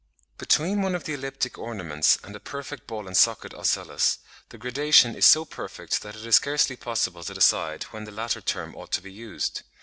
] Between one of the elliptic ornaments and a perfect ball and socket ocellus, the gradation is so perfect that it is scarcely possible to decide when the latter term ought to be used.